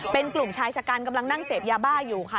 เป็นกลุ่มชายชะกันกำลังนั่งเสพยาบ้าอยู่ค่ะ